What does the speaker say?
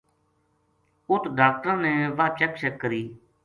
اُت ڈاکٹراں نے واہ چیک شیک کری